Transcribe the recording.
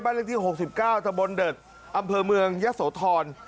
บ้านเลือดที่๖๙ทะบนเดิกอำเภอเมืองยะโสธร